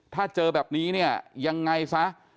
ถ้าเจอแบบนี้เนี่ยยังไงซะ